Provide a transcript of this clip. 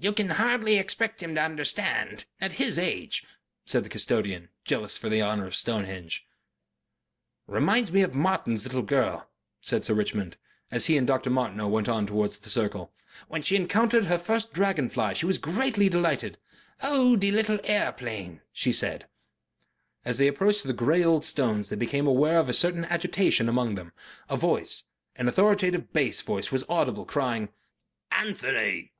"You can hardly expect him to understand at his age," said the custodian, jealous for the honor of Stonehenge.... "Reminds me of Martin's little girl," said Sir Richmond, as he and Dr. Martineau went on towards the circle. "When she encountered her first dragon fly she was greatly delighted. 'Oh, dee' lill' a'eplane,' she said." As they approached the grey old stones they became aware of a certain agitation among them. A voice, an authoritative bass voice, was audible, crying, "Anthony!"